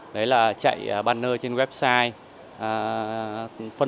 đấy là chạy banner trên website